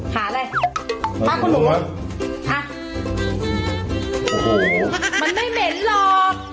หาอะไรหาคุณหนูไหมอ่ะมันไม่เหม็นหรอก